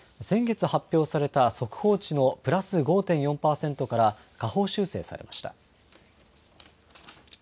先月、発表された速報値のプラス５．４％から下方修正されました。